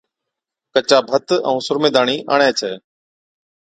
ڪچا ڀَتَ ائُون سرمي داڻي آڻي ڇَي